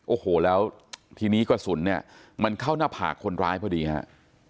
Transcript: โอ้โหแล้วทีนี้กระสุนเนี่ยมันเข้าหน้าผากคนร้ายพอดีฮะ